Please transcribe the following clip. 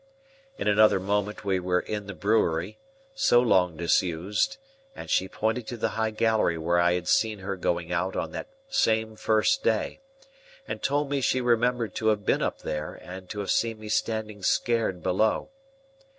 In another moment we were in the brewery, so long disused, and she pointed to the high gallery where I had seen her going out on that same first day, and told me she remembered to have been up there, and to have seen me standing scared below.